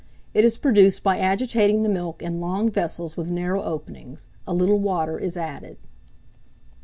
It is produced by agitating the milk in long vessels with narrow openings: a little water is added."